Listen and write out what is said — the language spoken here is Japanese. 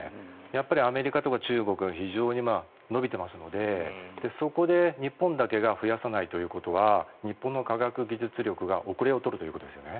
やっぱりアメリカとか中国は非常に伸びていますのでそこで日本だけが増やさないということは日本の科学技術力が後れを取るということですよね。